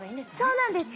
そうなんです。